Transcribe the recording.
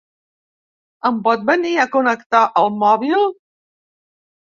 Em pot venir a connectar el mòbil?